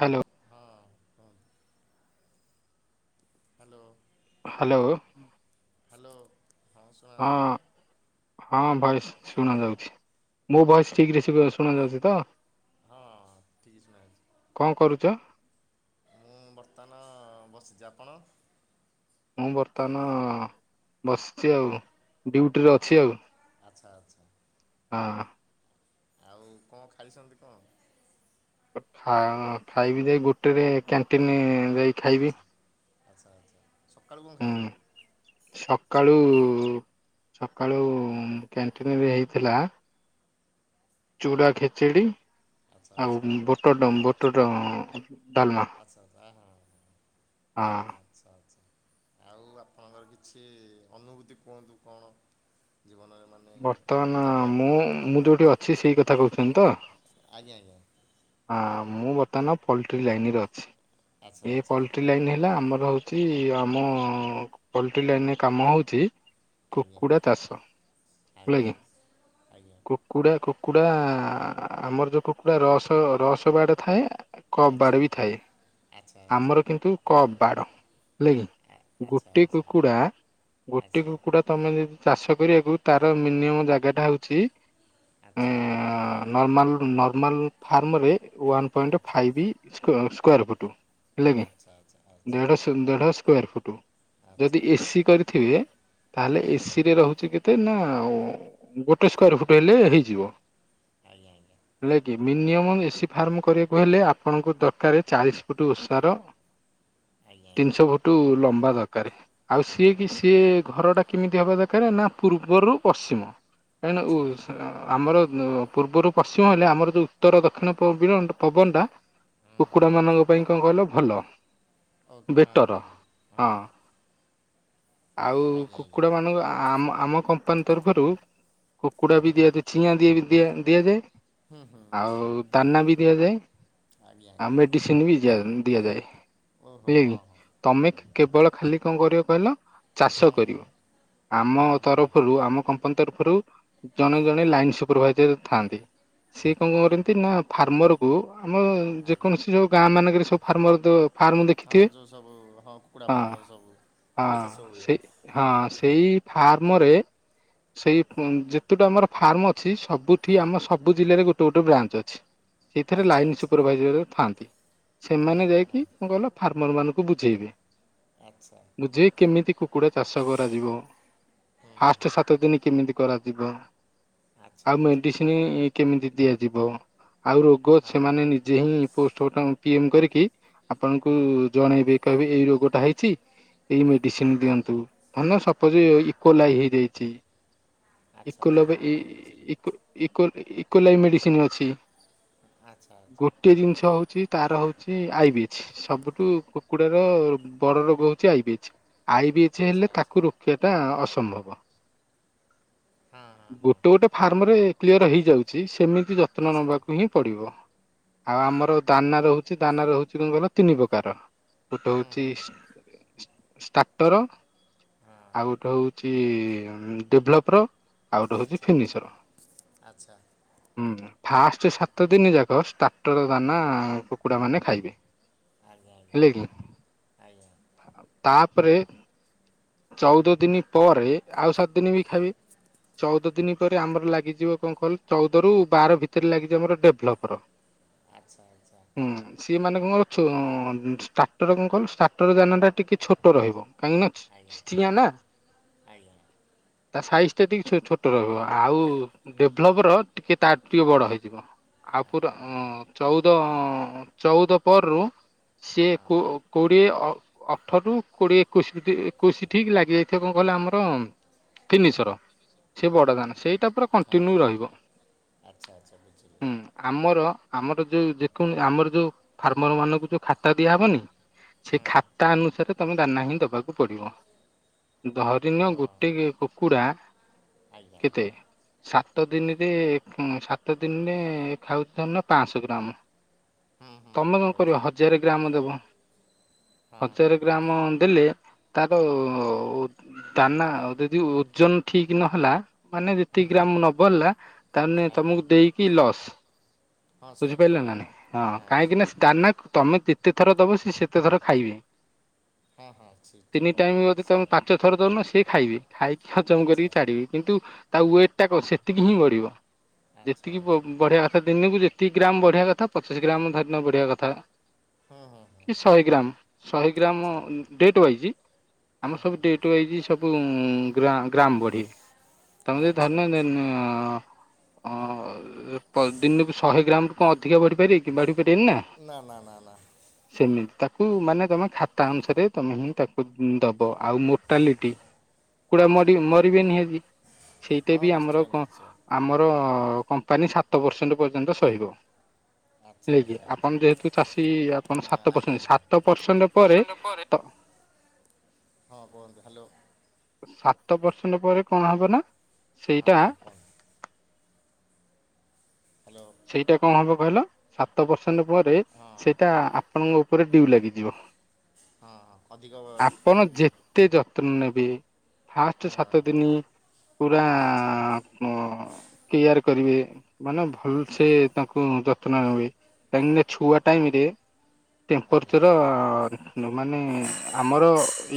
Hello ହଁ ହଁ hello hello hello ହଁ ହଁ ସୁଣାଯାଉଚିତ ହଁ ଭଏସ ଶୁଣା ଯାଉଛି। ମୋ ଭଏସ ଠିକ୍ ରେ ଶୁବା ଶୁଣା ଯାଉଛିତ? ହଁ ଠିକ୍ ସୁଣାଯାଉଛ କଣ କରୁଛ? ମୁଁ ବର୍ତ୍ତମାନ ବସିଚି। ଆପଣ? ମୁଁ ବର୍ତ୍ତମାନ ବସିଛି ଆଉ ଡ୍ୟୁଟିରେ ଅଛି ଆଉ। ଆଚ୍ଛା ଆଚ୍ଛା ହଁ ଆଉ କଣ ଖାାଇଛନ୍ତି କଣ? ଖା ଖାଇବି ଯାଇ ଗୋଟେରେ କ୍ୟାଣ୍ଟିନ ଯାଇକ ଆଚ୍ଛା ଆଚ୍ଛା ଆଚ୍ଛା ସକାଳୁ କଣ ହୁଁ ଖାଇଛନ୍ତି? ସକାଳୁ ସକାଳୁ କ୍ୟାଣ୍ଟିନିରେ ହେଇଥିଲା ଚୁଡ଼ା ଖେଚେଡି ଆଚ୍ଛା ଆଉ ଆଚ୍ଛା ବୋଟଡମ ବୋଟଡମ ଆଚ୍ଛା ଆଚ୍ଛା ଆ ହଁ। ହଁ। ଆଚ୍ଛା ଆଚ୍ଛା ଆଉ ଆପଣଙ୍କର କିଛି ଅନୁଭୂତି କୁହନ୍ତୁ କଣ? ଜୀବନରେ ମାନେ କେଉଁ ବର୍ତ୍ତମାନ ଜାଗା ମୁଁ ମୁଁ ଯୋଉଠି ଅଛି ସେଇ କଥା କହୁଛନ୍ତି ତ ଆଜ୍ଞା ଆଜ୍ଞା ହଁ ମୁଁ ବର୍ତ୍ତମାନ ପଲଟି ଲାଇନରେ ଅଛି ଆଚ୍ଛା ଏଇ ଆଚ୍ଛା ପଲଟି ଏଇ ଲାଇନ୍ ହେଲା ଆମର ହେଉଛି ଆମ ପୋଲଟି ଲାଇନରେ କାମ ହଉଛି ଆଜ୍ଞା। କୁକୁଡ଼ା ମାଂସ ଆଜ୍ଞା ହେଲାକି ଆଜ୍ଞା କୁକୁଡ଼ା କୁକୁଡ଼ା ଆମର ଯୋଉ କୁକୁଡ଼ା ରସ ରସ ବାଡ ଥାଏ। ଆଚ୍ଛା କବାଡ ବି ଥାଏ। ଆଚ୍ଛା ଆଚ୍ଛା ଆମର କିନ୍ତୁ କପ୍ ବାଡ ହେଲା କିି ଆଚ୍ଛା ଗୋଟେ ଆଚ୍ଛା। କୁକୁଡ଼ା ଗୋଟେ ଆଚ୍ଛା କୁକୁଡ଼ା ତମେ ଯଦି ଚାଷ କରିବାକୁ ତାର ମିନିମମ ଜାଗା ଟା ହଉଛି ଆଚ୍ଛା। ନର୍ମାଲ ନର୍ମାଲ୍ ଫାର୍ମରେ ୱାନ୍ ପଏଣ୍ଟ ଆଚ୍ଛା ଫାଇଭ୍। ସ୍କ୍ୟାର ଫୁଟ ହେଲି କି ଆଚ୍ଛା ଆଚ୍ଛା ଆଚ୍ଛା ଦେଢ ଦେଢ଼ ସ୍କ୍ୟାର ଫୁଟ। ଆଚ୍ଛା ଆଚ୍ଛା ଯଦି ଏସିି ଆଜ୍ଞା କରିଥିବେ ତାହେଲେ ଆଜ୍ଞା ଏସି ରେ ରହୁଛି କେତେ? ଏତେ ନା ଆଉ ଗୋଟେ ସ୍କ୍ୟାର ଫୁଟ୍ ହେଲେ ହେଇଯିବ। ଆଜ୍ଞା ଆଜ୍ଞା। ହେଲା କି ମିନିମମ୍ ଏସି ଫାର୍ମ କରିବାକୁ ହେଲେ ଆପଣଙ୍କୁ ଦରକାର ଚାଳିଶ ଫୁଟ ଓଷାର। ହଁ। ତିନିଶହ ଫୁଟ ଲମ୍ବା ଦରକାର ଆଉ ସିଏ ଓ କି ସି ସିଏ ଘରଟା କେମିତି ହେବା ଦରକାର ନା ପୂର୍ବରୁ ପଶ୍ଚିମ ଆଚ୍ଛା ଆଚ୍ଛା କାହିଁକିନା ଆମର ପୂର୍ବରୁ ପଶ୍ଚିମ ହେଲେ ଆମର ଯୋଉ ଉତ୍ତର ଦକ୍ଷିଣ ପବିରନ ପବନଟା ହଁ ହଁ କୁକୁଡା ମାନଙ୍କ ପାଇଁ କଣ କହିଲ ଭଲ? ଓକେ ହଁ ବେଟର ହଁ ହଁ। ଆଉ ଆଜ୍ଞା ଆଜ୍ଞା କୁକୁଡ଼ା ମାନଙ୍କୁ ଆମ କମ୍ପାନୀ ତରଫରୁ କୁକୁଡ଼ା ବି ଆଜ୍ଞା ଦିଆଯାଏ ଚିଆଁ ବି ଦିଆଯାଏ ହୁଁ ହୁଁ ଆଉ ବୁଝିଲି ଦାନା ବି ଦିଆଯାଏ। ଆଜ୍ଞା ଆଜ୍ଞା। ଡିସେମ୍ବର ବି ଜିଆ ଦିଆଯାଏ ଓହୋ ହଁ ହେଲାକି ହଁ ତମେ ଆଜ୍ଞା କେବଳ ଖାଲି କଣ କରିବ କହିଲ ଚାଷ ହୁଁ କରିବ ଆମ ହୁଁ ହୁଁ ରୁ ଆମ କମ୍ପାନୀ ତରଫରୁ ଜଣେ ଜଣେ ଲାଇନ ସୁପରଭାଇଜର ଥାନ୍ତି। ସିଏ କଣ ଆଜ୍ଞା କରନ୍ତି ନା ଆଜ୍ଞା ଫାର୍ମର କୁ ଆମ ଆଜ୍ଞା ଯେକୌଣସି ଯୋଉ ଗାଁ ମାନଙ୍କରେ ସବୁ ଫାର୍ମର ଫାର୍ମ ହଁ ଦେଖିଥିବେ ଯେଉଁ ସବୁ କୁକୁଡ଼ା ହଁ ଫାର୍ମ ସବୁ ହଁ କୁକୁଡ଼ା ଚାଷ ହୁଏ ସେଇ ହଁ ସେଇ ଫାର୍ମରେ ସେଇ ଉଁ ଯେତୁଟା ଆମର ଫାର୍ମ ଅଛି ସବୁଠି ଆମ ସବୁ ଜିଲ୍ଲାରେ ଗୋଟେ ଗୋଟେ ବ୍ରାଞ୍ଚ ଅଛି। [inaudible] ସେଇଥିରେ ଲାଇନ୍ ଆଚ୍ଛା ସୁପରଭାଇଜର ଥାଆନ୍ତି ହଁ ସେମାନେ ହଁ ହଁ ଯାଇକି କଣ କହିଲ ଫାର୍ମରମାନନଙ୍କୁ ବୁଝେଇବେ ୲ ଆଚ୍ଛା। ବୁଝିବେ କେମିତି କୁକୁଡ଼ା ଚାଷ କରାଯିବ? ହୁଁ ହୁଁ ଫାଷ୍ଟ ସାତ ଦିନି କିମିତି କରାଯିବ ଆଚ୍ଛା ଆଉ ଆଚ୍ଛା ମେଡି ନି ଏ କେମିତି ଦିଆଯିବ ଆଉ ରୋଗ ସେମାନେ ହଁ ନି ଯେ ହିଁ ପୋଷ୍ଟ ଗୋଟାକ ପିଏମ୍ କରିକି ଆପଣଙ୍କୁ ହୁଁ ହୁଁ ଜଣେଇବେ। କହିବି ଏଇ ରୋଗଟା ହେଇଛି ଏଇ ମେଡିସିନ ଦିଅନ୍ତୁ ତାନେ ସପୋଜ ଇ କୋଲାଇ ହେଇଯାଇଛି ଆଚ୍ଛା ଆଚ୍ଛା ହଁ ଏକୋଲବ ଏ ହଁ ବୁଝିଲି ଇକୋ ଇକୋ ଇ ଇକୋଲାଇ ମେଡ଼ିସିନ୍ ଅଛି। ଆଚ୍ଛା ଆଚ୍ଛା। ଗୋଟିଏ ଜିନିଷ ହଉଚି ତ। ର ହଉଛି ଆଇ ବିଚ୍। ସବୁଠୁ କୁକୁଡାର ବଡ ରୋଗ ହଉଛି ଆଇବିଚ୍ ଆଇବିଚ୍ ଯେ ଆଚ୍ଛା ହେଲେ ଆଚ୍ଛା ତାକୁ ରୋକିବାଟା ଅସମ୍ଭବ ହଁ ହଁ ହଁ ଗୋଟେ ଗୋଟେ ଫାର୍ମରେ କ୍ଲିଅର ହେଇଯାଉଚି ସେମିତି ଯତ୍ନ ଆଚ୍ଛା ନେବାକୁ ହଁ ହିଁ ପଡ଼ିବ ଆଉ ଆମର ଦାନା ରହୁଚି ଦାନା ରହୁଛି କଣ କହିଲ ତିନି ପ୍ରକାର ଗୋଟେ ହୁଁ ହଉଚି ହୁଁ ହୁଁ ଷ୍ଟାଟର ହଁ ଆଉ ଗୋଟେ ହଉ ଛି ଡେଭଲପର୍ ଆଉ ଗୋଟେ ହଉଚି ଆଚ୍ଛା ଆଚ୍ଛା ଫିନିସର। ଆଚ୍ଛା ହୁଁ ଫାଷ୍ଟ୍ ସାତ ଦିନ ଯାକ ଷ୍ଟାଟର ହଁ ଦାନା ହଁ କୁକୁଡ଼ା ମାନେ ଖାଇବେ। ଆଜ୍ଞା ଆଜ୍ଞା ହେଲେ କି ଆଜ୍ଞା। ତାପରେ ଚଉଦ ଦିନି ପରେ ଆଉ ସାତ ଦିନ ବି ଖାଇବେ। ଚଉଦ ଦିନି ପରେ ଆମର ଲାଗିଯିବ କଣ କହିଲୁ ଚଉଦ ରୁ ବାର ଭିତରେ ଲାଗିଯିବ ଆମର ଡେଭଲପର୍। ଆଚ୍ଛା ଆଚ୍ଛା। ହୁଁ ସିଏ ମାନେ କଣ କହିଲୁ ଛୋ ଷ୍ଟାର୍ଟର କଣ କହିଲୁ ଷ୍ଟାର୍ଟର ଦାନାଟା ଟିକେ ଛୋଟ ରହିବ। କାହିଁକି ନା ଆଜ୍ଞା ଚିଆଁ ନା ଆଜ୍ଞା। ତା ସାଇଜ୍‌ ଟା ଟିକେ ଛୋ ଛୋଟ ରହିବ ଆଉ ଡେଭଲପର ଟିକେ ତାଠୁ ଟିକେ ବଡ଼ ହେଇଥିବ। ଆ ହଁ ପୁରା ହଁ ଅଁ ଚଉଦ ଅଁ ଚଉଦ ପରରୁ ହଁ ସିଏ କୋ କୋଡ଼ିଏ ଅ ଅଠରୁୁ କୋଡ଼ିଏ ଏକୋଇଶିଟି ଏକୋଇଶି ଠିକ୍ ଲାଗେ। ତ୍ୱିତୀୟ କଁ କହିଲ ଆମର ତିନି ଶର। ସେ ହୁଁ ବଡ଼ ହୁଁ ଦାନା ହୁଁ ସେଇଟା ପୁରା ହଁ କଣ୍ଟିନ୍ୟୁ ରହିବ ଆଚ୍ଛା ଆଚ୍ଛା ବୁଝିଲି ହୁଁ। ଆମର ଆମର ଯଉ ଯେ କୌଣ ଆମର ଯୋଉ ଫାର୍ମର ମାନଙ୍କୁ ଯୋଉ ଖାତା ଦିଆହବନି ସେ ହୁଁ ଖାତା ଅନୁସାରେ ତମେ ଦାନା ହିଁ ଦବାକୁ ପଡ଼ିବ। ଧରିନିଅ ଓ ଗୋଟେ କୁକୁଡ଼ା ଆଜ୍ଞା କେତେ? ସାତ ଦିନିରେ ଉ ସାତ ଦିନିରେ ଖାଉଚି ଧରିନିଅ ପାଆଁଶ ଗ୍ରାମ। ହୁଁ ହୁଁ ତମେ ହୁଁ କଣ କରିବ ବୁଝିଲି ହଜାର ଗ୍ରାମ ଦେବ। ହଁ ହଁ ହଜାର ହଁ ଗ୍ରାମ ଦେଲେ ତାର ଓ ଦାନା ଆଉ ଯେଦି ଓଜନ ଠିକ୍ ନହେଲା ମାନେ ହୁଁ ଯେତିକି ହୁଁ ଗ୍ରାମ ନବଢିଲା ତାହେନେ ଆଜ୍ଞା ତମକୁ ଦେଇକି ଲସ୍‌। ହଁ ସେଇଟା ଠିକ୍ ବୁଝିପାରିଲେ କର ନା ନାହିଁ ହଁ କାହିଁକିନା ବୁଝିପାରିଲି ଦାନା ତମେ ଯେତେ ଥର ଦବ ସେ ସେତେ ଥର ଖାଇବେ। ହଁ ହଁ ଠିକ୍ ଠିକ୍ କଥା ସେ ଏଥର ଦଉନ ସେ ଖାଇବେ ଖାଇକି ହଜମ କରିକି ଛାଡ଼ିବେ। କିନ୍ତୁ ତା ୱେଟ ଟା କ ସେତିକି ହିଁ ବଢିବ ଯେତିକି ବ ବଢିବାକ ସେ ଦିନକୁ ଯେତିିକି ଗ୍ରାମ ବଢିବା କଥା ପଚିଶି ଗ୍ରାମ ଧରିନିଅ ବଢିବା କଥା ହଁ ହଁ ହଁ। କି ଶହେ ଗ୍ରାମ ଶହେ ଗ୍ରାମ ଡେଟ୍ ୱାଇଜ୍ ଆମର ସବୁ ଡେଟ୍ ଟୁ ୱାଇଜ୍‌ ସବୁ ଗ୍ରା ଗ୍ରାମ ବଢ଼ିବେ। ତମେ ଯେଦି ଧରିନିଅ ଦେନ୍ ଅଁ ପ ଦିନକୁ ଶହେ ଗ୍ରାମରୁ କଣ ଅଧିକା ବଢିପାରିବେ କି ବଢ଼ି ପାରିବେନିନା। ନା ନା ନା ନା। ସେମିତି ତାକୁ ମାନେ ତୁମେ ଖାତା ଅନୁସାରେ ତମେ ହିଁ ତାକୁ ଉ ଦବ ଆଉ ମୋ ଟାଲିଟି କୋଉଟା ମରି ଆଚ୍ଛା ମରିବେନି ହେବି ସେଇଟା ହଁ ବି ଆମର ନିଶ୍ଚୟ କଣ ନିଶ୍ଚୟ ଆମ ର କମ୍ପାନୀ ସାତ ପରସେଣ୍ଡେ ପର୍ଯ୍ୟନ୍ତ ସହିବ। ଆଚ୍ଛା ହେଲାକିି ଆଚ୍ଛା ଆଚ୍ଛା ଆପଣ ଯେହେତୁ ଚାଷୀ ଆପଣ ହଁ ସାତ ଆଜ୍ଞା ପରସେଣ୍ଡେ ଆଜ୍ଞା ସାତ ପରସେଣ୍ଡେ ପରେ ଷଣ୍ଢ ପରେ ତ ହଁ କୁହନ୍ତୁ ହାଲୋ। ସାତ ପରର୍ସେଣ୍ଟେ ପରେ କଣ ହବ ନା ହଁ ସେଇଟା କୁହନ୍ତୁ। ହାଲୋ। ସେଇଟା କଣ ହବ କହିଲ ସାତ ପରସେଣ୍ଟେ ପରେ ହଁ ସେଇଟା ଆ ଆପଣଙ୍କ ଉପରେ ଡିଉ ଲାଗିଯିବ ହଁ ହଁ ଅଧିକ ବ- ଆପଣ ଯେ ତେ ଯତ୍ନ ନେବେ ଫାଷ୍ଟେ ହଁ ସାତ ଦିନ ପୁରା ଆଚ୍ଛା ଅଁ କେୟାର କରିବେ ମାନେ ଭଲ ଆଚ୍ଛା ଆଚ୍ଛା ସେ ତାଙ୍କୁ ଯତ୍ନ ନେବେ କାହିଁକିନା ଛୁଆ ଟାଇମ୍ ରେ ଆଜ୍ଞା ଟେମ୍ପରଚର ମାନେ ଆମର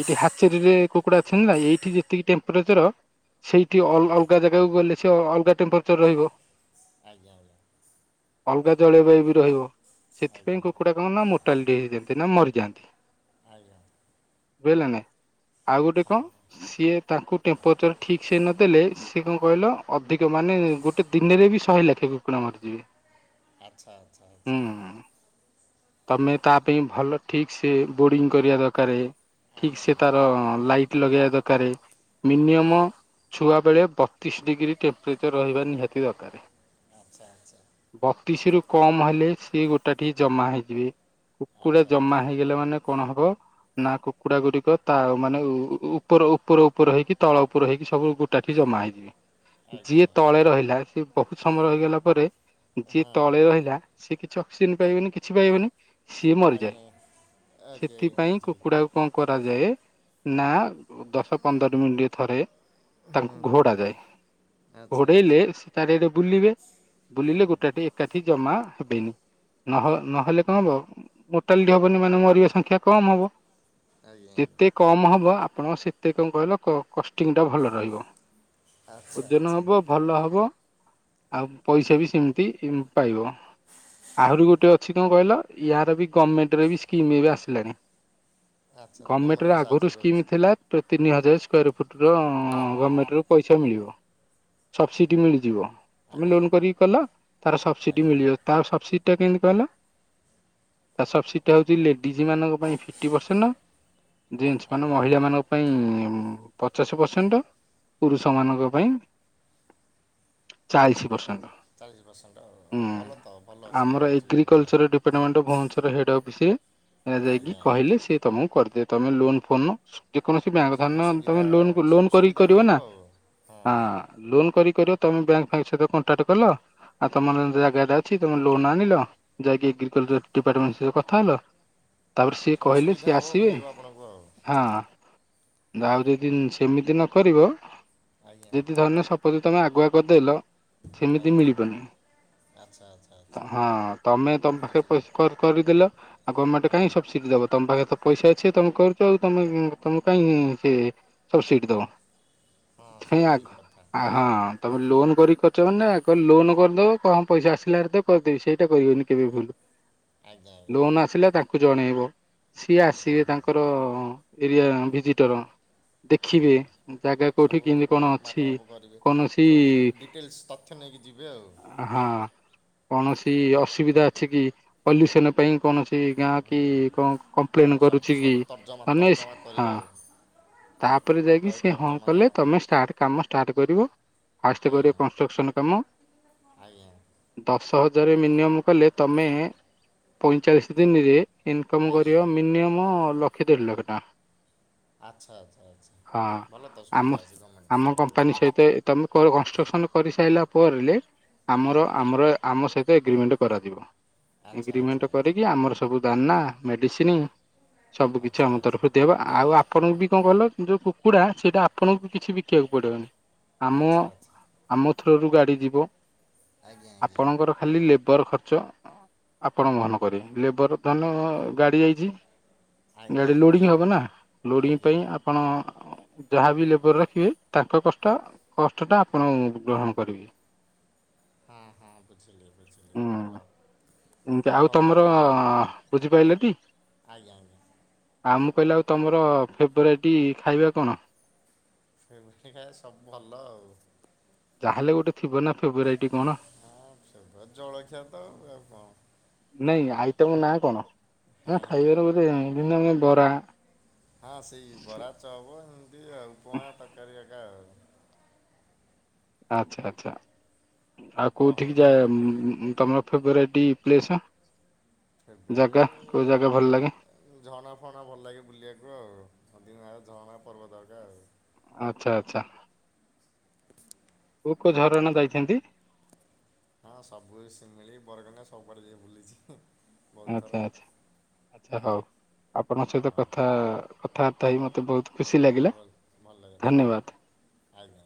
ଏଇଠି ହାଚେରୀରେ କୁକୁଡା ଛିନିଲ ଏଇଠି ଯେତିକି ଟେମ୍ପ୍ରେଚର ସେଇଠି ଅ ଆଜ୍ଞା ଆଜ୍ଞା ଅଲଗା ଜାଗାକୁ ଗଲେ ସେ ଅଲଗା ଟେମ୍ପରେଚର ରହିବ। ଆଜ୍ଞା। ଅଲଗା ଜଳବାୟୁ ବି ରହିବ ଆଜ୍ଞା ଆଜ୍ଞା ସେଥିପାଇଁ କୁକୁଡ଼ା କଣ ନା ମୋଟାଲିଟି ହେଇଯାଆନ୍ତି ନା ମରିଯାଆନ୍ତି। ଆଜ୍ଞା। [unintelligible] ନାଇ ଆଉ ଗୋଟେ କଣ? ହଁ ସିଏ ତାଙ୍କୁ ଟେମ୍ପରେଚର୍ ଠିକ୍ ସେ ନଦେଲେ ସିଏ କଣ କହିଲ ଅଧିକ ମାନେ ଗୋ ଗୋଟେ ଦିନରେ ବି ଶହେ ଲେଖେ କୁକୁଡ଼ା ମରିଯିବେ। ଆଚ୍ଛା ଆଚ୍ଛା ଆଚ୍ଛା। ହୁଁ ତମେ ତା ପାଇଁ ଭଲ ଠିକ୍ ସେ ବୋଡିଙ୍ଗ କରିବା ଦରକାର। ଠିକ ଆଜ୍ଞା ସେ ଆଜ୍ଞା ତାର ଲାଇଟ ଲଗେଇବା ଦରକାର ଆଜ୍ଞା ମିନିୟମ ଛୁଆବେଳେ ବତିଶ ଡିଗ୍ରୀ ଟେମ୍ପ୍ରେଚର ରହିବା ନିହାତି ଦରକାର। ଆଚ୍ଛା ଆଚ୍ଛା। ବତିଶ ରୁ କମ ହେଲେ ସିଏ ଗୋଟା ଠି ଜମା ହେଇଯିବେ କୁକୁଡା ଆଚ୍ଛା ଆଚ୍ଛା ଜମା ହେଇ ଗଲେ ମାନେ କଣ ହବ ନା କୁକୁଡା ଗୁଡିକ ତା ମାନେ ଉପର ଉପର ଉପର ଉପର ହେଇକି ତଳ ଉପର ହେଇକି ସବୁ ଗୋ ଟା କି ଜମା ହେଇଯିବେ। ଆଜ୍ଞା ଯିଏ ତଳେ ଆଜ୍ଞା ରହିଲା ସିଏ ବହୁତ ସମୟ ରହିଗଲା ପରେ ଯିଏ ହଁ ତଳେ ରହିଲା ସେ କିଛି ଅକ୍ସିଜେନ ପାଇବେନି କିଛି ପାଇବେନି ସିଏ ଆଜ୍ଞା ମରିଯାଏ ଆଜ୍ଞା ଓକେ ଆଜ୍ଞା ସେଥିପାଇଁ ବୁଝିଲି କୁକୁଡ଼ାକୁ କଣ କରାଯାଏ ନା ଦଶ ପନ୍ଦର ମିନିଟ ରେ ଥରେ ତାଙ୍କୁ ହୁଁ ହୁଁ ଘୋଡା ଯାଏ ଆଚ୍ଛା ଆଚ୍ଛା ଘୋଡେଇଲେ ସେ ଚାରିଆଡେ ବୁଲିବେ ବୁଲିଲେ ଗୋଟାଠି ଏକାଠି ଜମା ହେବେନି। ନହ ନହେଲେ କଣ ହବ ମୋଟାଲିଟି ହବନି ମାନେ ମରିବା ସଂଖ୍ୟା କମ୍ ହବ। ଆଜ୍ଞା ଆଜ୍ଞା ଯେତେ କମ ହବ ଆପଣ ସେତେ କଣ କହିଲ କ କଷ୍ଟିଂଟା ଭଲ ରହିବ। ଆଚ୍ଛା ଓଜନ ଆଚ୍ଛା ହବ ଭଲ ହବ ଆଉ ପଇସା ବି ସେମିତି ଉଁ ପାଇବ। ଆହୁରି ଗୋଟେ ଅଛି କଣ କହିଲ ୟାର ବି ଗଭର୍ଣ୍ଣମେଣ୍ଟରେ ବି ସ୍କିମ ଏବେ ଆସିଲାଣି ଆଚ୍ଛା ଆଚ୍ଛା ଗଭର୍ଣ୍ଣମେଣ୍ଟ ଗମେଣ୍ଟର ବି ଆଗରୁ ସାହାଯ୍ୟ ସ୍କିମ୍ କରୁଛି ଥିଲା ପ୍ର ତିନି ହଜାର ସ୍କ୍ୱେର ଫୁଟ ର ହଁ। ଗମେଟ୍ ର ହଁ ପଇସା ମିଳିବ ସବସିଡି ମିଳିଯିବ ତମେ ଆଜ୍ଞା ଲୋନ କରିକି କଲ ତାର ସବସିଡି ଆଜ୍ଞା ମିଳିଯିବ ତାର ସବସିଡି ଟା କେମିତି କହିଲ? ତା ସବସିଡିଟା ହେଉଛି ଲେଡିଜ ମାନଙ୍କ ପାଇଁ ଫିଫ୍ଟି ପରସେଣ୍ଟ ହଁ ଜେନ୍ସ ମାନେ ଆଜ୍ଞା ମହିଳା ମାନଙ୍କ ପାଇଁ ପଚାଶ ପରସେଣ୍ଟ ପୁରୁଷ ମାନଙ୍କ ପାଇଁ ଚାଳିଶି ପରସେଣ୍ଟ। ଚାଳିଶ ପରସେଣ୍ଟ ଆ ହୁଁ। ହଁ ଭଲ ତ ଭଲ ସ୍କିମ୍ ଆମର ଅଛି ଗଭର୍ଣ୍ଣମେଣ୍ଟର। ଏଗ୍ରିକଲଚର [unintelligible] ଭୁବନେଶ୍ୱର ହେଡ ଅଫିସରେ ଯାଇକି ଆଜ୍ଞା ଆଜ୍ଞା କହିଲେ ସେ ତ ମୁଁ କରିଦିଏ ତମେ ଲୋନ ଫୋନ ଯେକୌଣସି ବ୍ୟାଙ୍କ ସବୁ ଧରିନିୟ ତମେ ସୁବିଧା ଲୋନ ଲୋନ ସବୁ କରିକି ସୁବିଧା କରିବ ମିଳିବ ନା ଆଉ ହଁ ଲୋନ କରି କର ତମେ ବ୍ୟାଙ୍କ ସ ସହିତ କଣ୍ଟାକ୍ଟ କଲ ଆଉ ତମର ଜାଗା ଟା ଅଛି ତମେ ଲୋନ ଆଣିଲ ଯାଇକି ଏଗ୍ରିକଲ୍ଚର ଡିପାର୍ଟମେଣ୍ଟ ସ କଥା ହେଲ ତାପରେ ସିଏ ସବୁ କହିଲେ ସୁବିଧା ସିଏ ହେବ ଆସିବେ ମିଳିବ ଆପଣଙ୍କୁ ଆଉ ହଁ ଆଉ ଯଦି ସେମିତି ନ କରିବ ଆଜ୍ଞା ଯଦି ଧରିନିଅ ସ ଯଦି ତମେ ଆଗୁଆ କରିଦେଇଲ ସେମିତି ଆଜ୍ଞା ମିଳିବନି ଆଚ୍ଛା ଆଚ୍ଛା ଆଚ୍ଛା ହଁ ତମେ ତମ ପାଖରେ ବୁଝିଲି ପଇସା କରିଦେଲେ ଆଉ ଗର୍ମେଣ୍ଟ ହଁ କାଇଁ ସବସିଡି ଦେବ ତମ ପାଖେ ତ ପଇସା ଅଛି ତୁମେ କରୁଛ ଆଉ ତମେ ତୁମକୁ କାଇହିଁ ସେଏ ସବସିଡ଼ି ଦେବ। ହଁ ସେଇଟା ସେଇୟା ଠିକ୍ କଥା ଆ ହଁ ତମେ ଲୋନ କରି କ ଲୋନ କରିଦବ କଣ ପଇସା ଆସିଲ ଦେ କରିଦେବି ସେଇଟା କରିବନି କେବେ ଭୁଲ। ଆଜ୍ଞା ଆଜ୍ଞା ଲୋନ ଆସିଲ ଦା କୁ ଜଣେଇବ ସିଏ ହୁଁ ଆସିବେ ହୁଁ ତାଙ୍କର ଏରିଆ ଭିଜିଟର ଆଜ୍ଞା। ଦେଖିବେ ଜାଗା କୋଉଠି ସବୁ କେମିତି କଣ ଅଛି ମାପ୍-ମାପା ମାପୁ କରିବେ, କୌଣସି ସବୁ ଡି-ଡିଟେଲ୍ସ ତ ତଥ୍ୟ ନେଇକି ଯିବେ ଆଉ। ହଁ। କୌଣସି ଅସୁବିଧା ଅଛି କି, ପଲ୍ୟୁସନ ପାଇଁ କୌଣସି ଗାଁ ହୁଁ କି କଣ ହଁ କମ୍ପ୍ଲେନ ସବୁ କରୁଛି କି? ସବୁ ତର୍ଜମା ତନେଶ ତର୍ଜମା ହଁ। କରିବେ ଆଉ ତାପରେ ଯାଇକି ଆପ୍ଲାଏ ସିଏ ହଁ ତର୍ଜମା କଲେ, ତମେ ଷ୍ଟାର୍ଟ କାମ ଷ୍ଟାର୍ଟ କରିବ, ଫାଷ୍ଟ ଆଜ୍ଞା କରିବ କନଷ୍ଟ୍ରକ୍ସନ କାମ ଆଜ୍ଞା। ଦଶ ହଜାରରେ ମିନିୟମ୍ କଲେ, ତମେ ପଇଁଚାଳିଶ ଦିନିରେ ଇନକମ ଆଜ୍ଞା କରିବ ମିନିୟମ୍, ଲକ୍ଷେ ଦେଢ଼ ଲକ୍ଷ ଟଙ୍କା। ଆଚ୍ଛା, ଆଚ୍ଛା, ଆଚ୍ଛା। ହଁ ଭଲ ତ ଆମ ସୁୁବିଧା ଅଛି ଗମେଣ୍ଟ ଆମ କମ୍ପାନୀ ସହିତ ତରଫରୁ। ତମେ କରିବ କନଷ୍ଟ୍ରକ୍ସନ କରିସାଇଲା ପରଲେ, ଆମର ଆମର ଆମ ସହିତ ଏଗ୍ରିମେଣ୍ଟ କରାଯିବ। ଆଚ୍ଛା ଏଗ୍ରିମେଣ୍ଟ ଆଚ୍ଛା କରିକି ଆମର ସ ସବୁ ଦାନା, ମେଡିସିନି, ସବୁ କିଛି ଆଚ୍ଛା ଆମ ଆଚ୍ଛା ଆଚ୍ଛା ତରଫରୁ ଦିଆହବ ଆଉ ଆପଣଙ୍କୁ ବି କଣ ଭଲ ଯୋଉ କୁକୁଡ଼ା, ସେଇଟା ଆପଣଙ୍କୁ ବି କିଛି ବିକିବାକୁ ପଡ଼ିବନି। ଆମ ଆଚ୍ଛା ଆମ ଥ୍ରୋରୁ ଗାଡ଼ି ଯିବ, ଆଜ୍ଞା ଆଜ୍ଞା ଆପଣଙ୍କର ଖାଲି ଲେବର ଖର୍ଚ୍ଚ ଆପଣ ବହନ କରିବେ। ଲେବର ଧରି ନିଅ ଗାଡ଼ି ଯାଇଛି ଆଜ୍ଞା ଗାଡି ଲୋଡିଙ୍ଗ ଆଜ୍ଞା ହବ ନା, ଲୋଡିଙ୍ଗ ଆଜ୍ଞା ପାଇଁ ଆପ ଆପଣ ଯାହାବି ଲେବର ରଖିବେ, ତାକ କଷ୍ଟ, କଷ୍ଟଟା ଆପଣ ଗ୍ରହଣ କରିବେ। ହଁ, ହଁ, ବୁଝିଲି, ବୁଝିଲି, ହୁଁ ଭଲ। ହଁ ହଉ ଭଲ ଲାଗିଲା। ବୁଝିପାଇଲ ଟି? ଆଜ୍ଞା ଆଜ୍ଞା। ଆଉ ମୁଁ କହିଲି ଆଉ ତମର, ଫେବରାଇଟ୍ ଖାଇବା କଣ? ଫେବରାଇଟ୍ ଖାଇଆ ସବୁ ଭଲ ଆଉ। ଯାହାହେଲେ ଗୋଟେ ଥିବ ନା ଫେବରାଇଟି କଣ? ହଁ, ସେ ବା ଜଳଖିଆ ତଉ ଆଉ କଣ? ନାଇଁ ଆଇଟମ ନାଁ କଣ? ନା ଖାଇଥା ଖାଇବାର ଗୋଟେ ମିନମ ବରା ହଁ ସେଇ ବରା, ଚପ୍ ଏମତି ଆଉ ବଆ ତରକାରୀ ଏକା ଆଉ। ଆଚ୍ଛା ଆଚ୍ଛା। ଆଉ ହଁ ହଉ କୋଉଠିକି ଯାଏ ଧନ୍ୟବାଦ ଉମ୍ ତମର ଫେବରାଇଟି ପ୍ଲେସ। ଫେବୃଆରୀ ଜାଗା, କୋଉ ଜାଗା ଭଲ ଲାଗେ? ଝରଣା ଫରଣା ଭଲ ଲାଗେ ବୁଲିଆକୁ ଆଉ। ଅଧିକ ଆଉ ଝରଣା ପର୍ବତ ହେକା ଆଉ। ଆଚ୍ଛା ଆଚ୍ଛା। କୋଉ କୋଉ ଝରଣା ଯାଇଛନ୍ତି? ହଁ ସବୁ ଏଇ ଶିମିଳି, ବରକାନା ସବୁଆଡ଼େ ଯାଇ ବୁଲିଛି। ବହୁତ ଥର ଆଚ୍ଛା ଆଚ୍ଛା। ଆଚ୍ଛା ହଉ, ଆପଣଙ୍କ ସହିତ ହଁ କଥା କଥାବାର୍ତ୍ତା ହେଇ ଭଲ ମତେ ବହୁତ ଖୁସି ଲାଗିଲା। ଭଲ ଭଲ ଲାଗେ, ଧନ୍ୟବାଦ। ଆଜ୍ଞା।